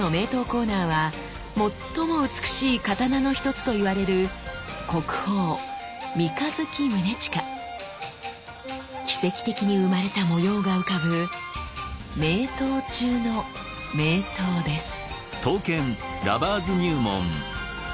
コーナーは最も美しい刀の一つと言われる奇跡的に生まれた模様が浮かぶ名刀中の名刀です！